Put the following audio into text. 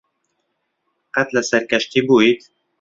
قەت لەسەر کەشتی بوویت؟